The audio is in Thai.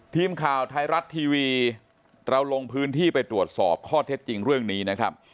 ทีมข่าวไทยรัฐทีวีเราลงพื้นที่ไปตรวจสอบข้อเท็จจริงเรื่องนี้นะครับ